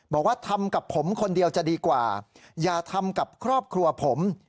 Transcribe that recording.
บอกว่าทำกับผมคนเดียวจะดีกว่าอย่าทำกับครอบครัวผม